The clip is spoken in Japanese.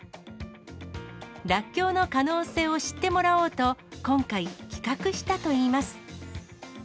らっきょうの可能性を知ってもらおうと、今回、企画したといいます。